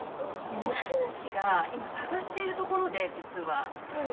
持ち主が今捜しているところで実は。